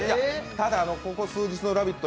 ただ、ここ数日の「ラヴィット！」